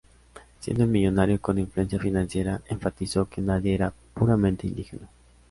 Siendo un millonario con influencia financiera, enfatizó que nadie era puramente indígena.